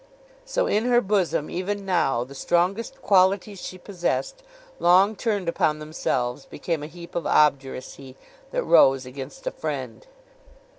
So in her bosom even now; the strongest qualities she possessed, long turned upon themselves, became a heap of obduracy, that rose against a friend.